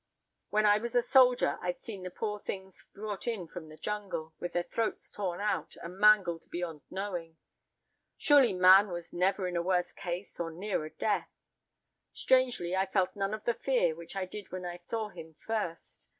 When I was a soldier I'd seen the poor things brought in from the jungle, with their throats torn out, and mangled beyond knowing. Surely man was never in a worse case or nearer death. Strangely, I felt none of the fear which I did when I saw him first.